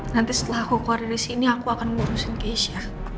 nanti setelah aku keluar dari sini aku akan ngurusin keisha